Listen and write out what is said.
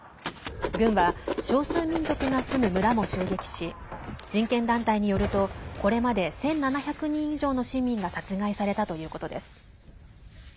軍は、少数民族が住む村も襲撃し人権団体によるとこれまで１７００人以上の市民が殺害されたということです。